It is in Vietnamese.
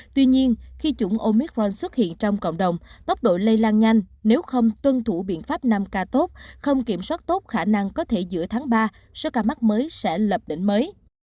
tuy nhiên khi chủng omicron xuất hiện trong cộng đồng tốc độ lây lan nhanh nếu không tuân thủ biện pháp năm ca tốt không kiểm soát tốt khả năng có thể giữa tháng ba số ca mắc mới sẽ lập đỉnh mới